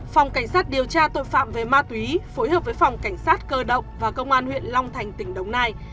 phòng cảnh sát điều tra tội phạm về ma túy phối hợp với phòng cảnh sát cơ động và công an huyện long thành tỉnh đồng nai